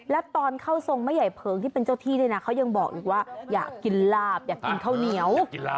แล้วตอนเข้าทรงไม่ใหญ่เผิงที่เป็นเจ้าที่เนี่ยนะเขายังบอกอีกว่าอยากกินลาบอยากกินข้าวเหนียว